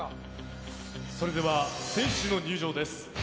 それでは選手の入場です。